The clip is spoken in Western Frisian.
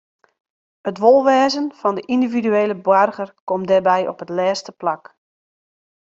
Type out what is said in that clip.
It wolwêzen fan de yndividuele boarger komt dêrby op it lêste plak.